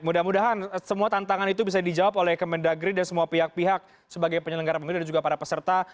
mudah mudahan semua tantangan itu bisa dijawab oleh kemendagri dan semua pihak pihak sebagai penyelenggara pemilu dan juga para peserta